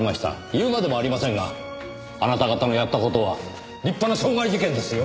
言うまでもありませんがあなた方のやった事は立派な傷害事件ですよ！